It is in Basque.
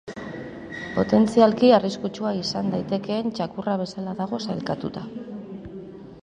Potentzialki arriskutsua izan daitekeen txakurra bezala dago sailkatuta.